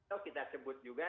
atau kita sebut juga